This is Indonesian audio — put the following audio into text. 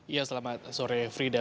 ya selamat sore frida